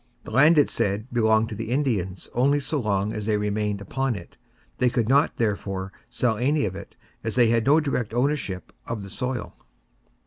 The land, it said, belonged to the Indians only so long as they remained upon it. They could not, therefore, sell any of it, as they had no direct ownership of the soil.